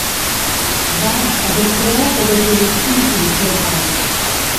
Va ed emprova da tener si ils dragants.